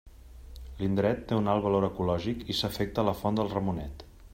L'indret té un alt valor ecològic i s'afecta la font del Ramonet.